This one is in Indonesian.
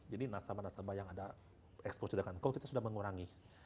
jadi nasabah nasabah yang ada eksplosif dengan coal kita sudah mengurangi